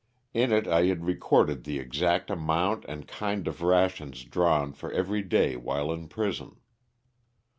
In it I had recorded the exact amount and kind of rations drawn for every day while in prison.